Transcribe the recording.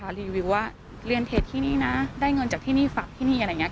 รีวิวว่าเรียนเพจที่นี่นะได้เงินจากที่นี่ฝากที่นี่อะไรอย่างนี้